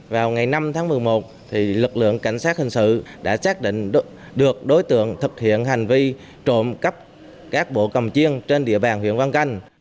vào ngày năm tháng một mươi một lực lượng cảnh sát hình sự đã xác định được đối tượng thực hiện hành vi trộm cắp các bộ cầm chiêng trên địa bàn huyện quang canh